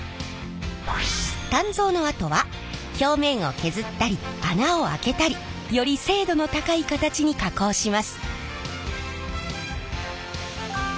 鍛造のあとは表面を削ったり穴を開けたりより精度の高い形に加工します。